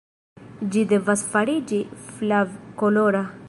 Ĝi devas fariĝi flav-kolora.